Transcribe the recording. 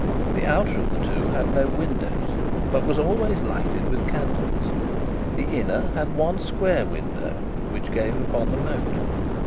The outer of the two had no windows, but was always lighted with candles; the inner had one square window, which gave upon the moat.